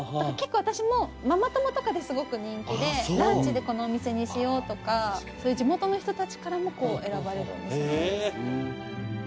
結構私もママ友とかですごく人気でランチでこのお店にしようとか地元の人達からもこう選ばれるお店なんです